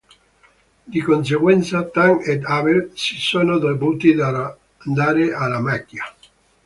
Di conseguenza Tam ed Abel si sono dovuti dare alla macchia.